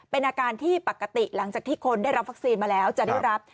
เป็นอาการที่ปกติหลังจากที่คนได้รับวัคซีนมาแล้วจะได้รับ